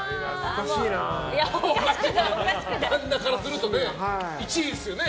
旦那からすると１位ですよね。